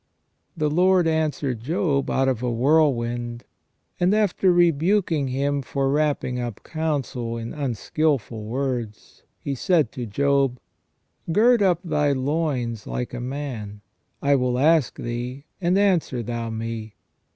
The Lord answered Job out of a whirlwind, and after rebuking him for wrapping up counsel in unskilful words. He said to Job :" Gird up thy loins like a man ; I will ask thee, and answer thou me.